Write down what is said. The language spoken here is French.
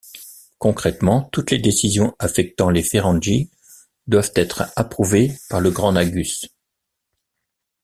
Concrètement, toutes les décisions affectant les Férengis doivent être approuvées par le Grand Nagus.